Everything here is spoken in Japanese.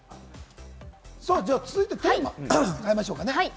テーマ、変えましょうかね。